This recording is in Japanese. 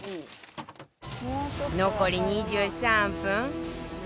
残り２３分